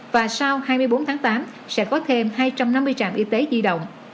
và sau hai mươi bốn tháng tám sẽ có thêm hai trăm năm mươi trạm y tế di động